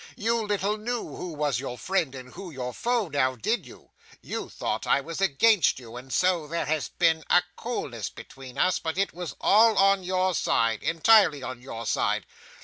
You little knew who was your friend, and who your foe; now did you? You thought I was against you, and so there has been a coolness between us; but it was all on your side, entirely on your side.